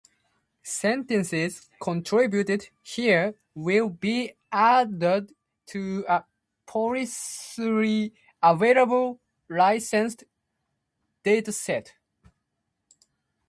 Sentences contributed here will be added to a publicly available licensed dataset.